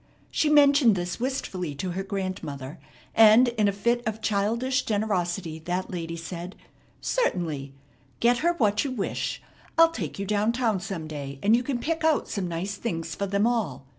She mentioned this wistfully to her grandmother, and in a fit of childish generosity that lady said: "Certainly, get her what you wish. I'll take you downtown some day, and you can pick out some nice things for them all.